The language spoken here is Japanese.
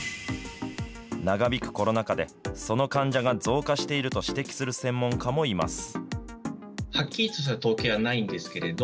長引くコロナ禍で、その患者が増加していると指摘する専門家もいます。